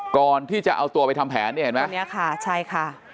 ก่อนที่จะเอาตัวไปทำแผนเนี่ยเห็นไหมวันนี้ค่ะใช่ค่ะ